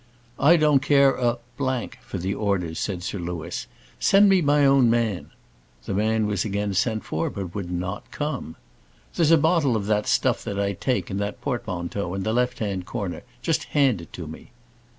"I don't care a for the orders," said Sir Louis; "send me my own man." The man was again sent for; but would not come. "There's a bottle of that stuff that I take, in that portmanteau, in the left hand corner just hand it to me."